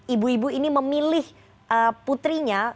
ibu ibu ini memilih putrinya